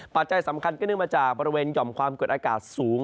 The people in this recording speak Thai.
ปัจจัยสำคัญก็เนื่องมาจากบริเวณหย่อมความกดอากาศสูง